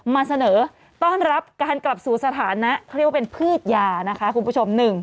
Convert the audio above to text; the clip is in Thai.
มาเสนอต้อนรับการกลับสู่สถานะเขาเรียกว่าเป็นพืชยานะคะคุณผู้ชม